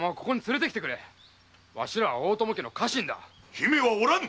姫は居らぬ！